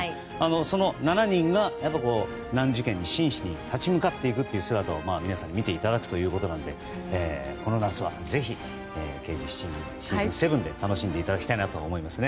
その７人が難事件に真摯に立ち向かっていく姿を皆さんに見ていただくということなのでこの夏はぜひ「刑事７人」シーズン７で楽しんでいただきたいなと思いますね。